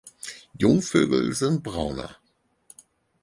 Jungvögel sind brauner.